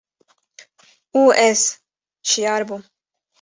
û ez şiyar bûm.